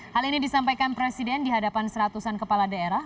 hal ini disampaikan presiden di hadapan seratusan kepala daerah